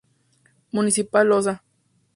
Municipal Osa.